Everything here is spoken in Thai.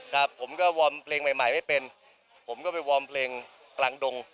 ครับผมก็วอร์มเพลงใหม่ใหม่ไม่เป็นผมก็ไปวอร์มเพลงกลางดง